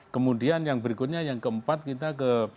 kemudian yang berikutnya yang keempat kita ke